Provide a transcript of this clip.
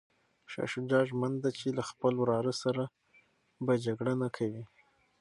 شاه شجاع ژمن دی چي له خپل وراره سره به جګړه نه کوي.